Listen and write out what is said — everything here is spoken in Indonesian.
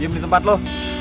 diam di tempat lo